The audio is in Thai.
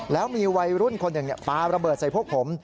แล้วมีวัยรุ่นคนหนึ่งปลาระเบิดใส่พวกผม